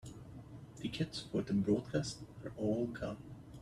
Tickets for the broadcast are all gone.